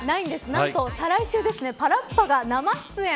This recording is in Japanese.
何と再来週、パラッパが生出演。